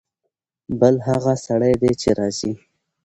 بل هغه سړی دی چې راځي.